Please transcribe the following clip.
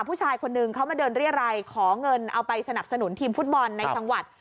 ผู้ชายคนนึงเขามาเดินเรียรัยขอเงินเอาไปสนับสนุนทีมฟุตบอลในจังหวัด